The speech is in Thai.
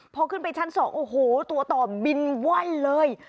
พอขึ้นไปชั้น๒โอ้โหตัวต่อบินวั่นเลย